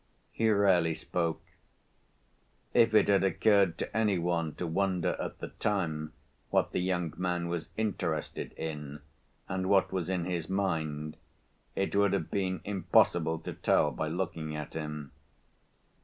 He rarely spoke. If it had occurred to any one to wonder at the time what the young man was interested in, and what was in his mind, it would have been impossible to tell by looking at him.